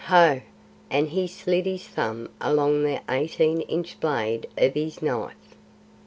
Ho!" and he slid his thumb along the eighteen inch blade of his knife.